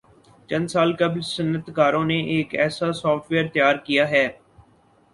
چند سال قبل صنعتکاروں نے ایک ایسا سافٹ ویئر تیار کیا ہے